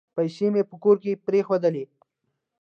پیسې مي په کور کې پرېښولې .